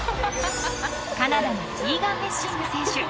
カナダのキーガン・メッシング選手。